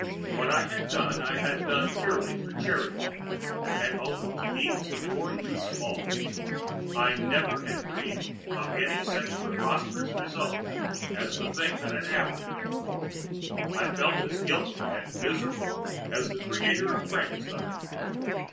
What I had done I had done purely through charity, and only to ease the poor youth's fall—I never had dreamed of any such preposterous result as the thing that had happened. I felt as guilty and miserable as the creator of Frankenstein.